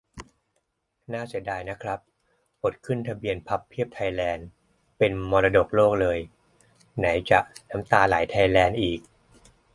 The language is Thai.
น่าเสียดายนะครับ อดขึ้นทะเบียน "พับเพียบไทยแลนด์" เป็นมรดกโลกเลย ไหนจะ "น้ำตาไหลไทยแลนด์" อีก